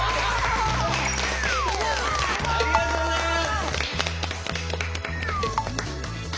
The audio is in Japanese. おめでとうございます。